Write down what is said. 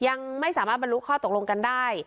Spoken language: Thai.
ยังไม่สามารถบรรลุข้อตกลงกันได้